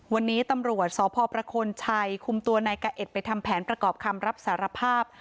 วันนี้ตำรวจสพประโคนชัยคุมตัวนายกะเอ็ดไปทำแผนประกอบคำรับสารภาพ